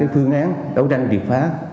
phương án đấu tranh điều phá